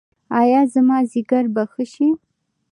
ایا زما ځیګر به ښه شي؟